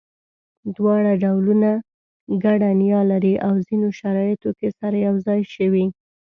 دواړه ډولونه ګډه نیا لري او ځینو شرایطو کې سره یو ځای شوي.